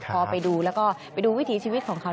พอไปดูแล้วก็ไปดูวิถีชีวิตของเขา